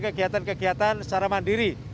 kegiatan kegiatan secara mandiri